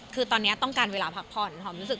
คือตอนแนี้ยต้องการเวลาพักผ่อน